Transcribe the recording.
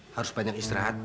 harus panjang istirahat